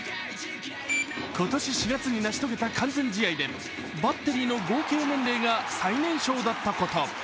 今年４月に成し遂げた完全試合でバッテリーの合計年齢が最年少だったこと。